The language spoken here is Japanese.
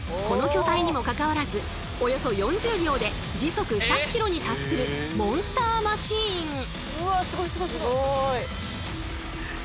この巨体にもかかわらずおよそ４０秒で時速１００ｋｍに達するモンスターマシーン。